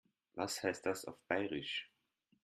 Was heißt das auf Bairisch?